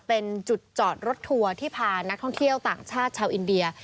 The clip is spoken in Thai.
เป็นจุดจอดรถทัวร์ที่พานักท่องเที่ยวต่างชาติชาวอินเดีย